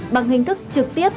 bằng hình thức trực tiếp